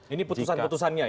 ini putusan putusannya ya